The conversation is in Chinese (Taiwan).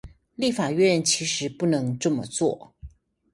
立法院其實不能這樣做